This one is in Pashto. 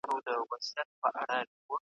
زولنې ځني بيريږي .